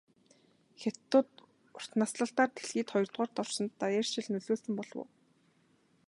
Хятадууд урт наслалтаар дэлхийд хоёрдугаарт орсонд даяаршил нөлөөлсөн болов уу?